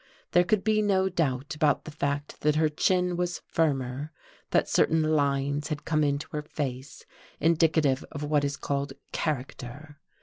There could be no doubt about the fact that her chin was firmer, that certain lines had come into her face indicative of what is called character.